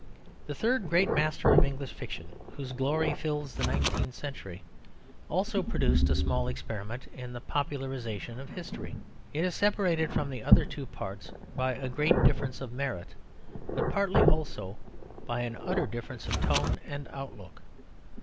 The third great master of English fiction whose glory fills the nineteenth century also produced a small experiment in the popularisation of history. It is separated from the other two partly by a great difference of merit but partly also by an utter difference of tone and outlook.